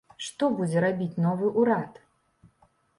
Што будзе рабіць новы ўрад?